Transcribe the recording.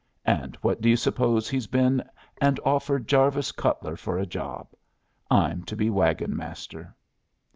And what do you suppose he's been and offered Jarvis Cutler for a job? I'm to be wagon master."